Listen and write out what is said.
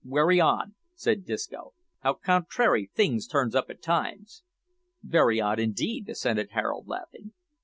"Werry odd," said Disco, "how contrairy things turns up at times!" "Very odd indeed," assented Harold, laughing.